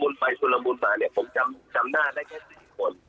สุรมนต์ไปสุรมนต์มาเนี่ยผมจำหน้าได้แค่๔คน